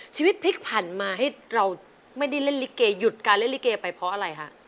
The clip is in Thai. ชีวิตพลิกผันมาให้เราไม่ได้เล่นลิเกหยุดการเล่นลิเกไปเพราะอะไรฮะ